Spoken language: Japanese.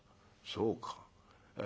そうか。